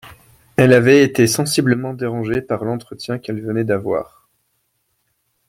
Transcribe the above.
Elle avait été sensiblement dérangée par l’entretien qu’elle venait d’avoir